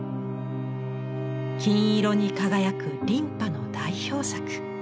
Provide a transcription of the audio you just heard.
金色に輝く琳派の代表作。